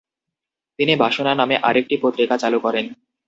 তিনি বাসনা নামে আরেকটি পত্রিকা চালু করেন।